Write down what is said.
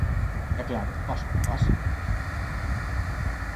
E claro, pasa o que pasa...